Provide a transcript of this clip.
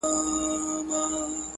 مګر دی دا کار نه کوي